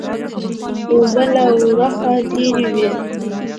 اوبه له ورخه تېرې وې